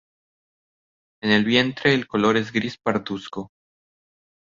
En el vientre el color es gris parduzco.